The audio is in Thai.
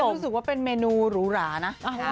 รู้สึกว่าเป็นเมนูหรูหรานะ